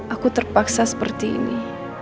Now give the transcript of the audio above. aku terpaksa seperti ini